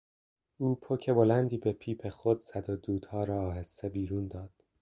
او پک بلندی به پیپ خود زد و دودها را آهسته بیرون داد.